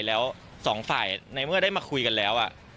แล้วสองฝ่ายในเมื่อได้มาคุยกันแล้ว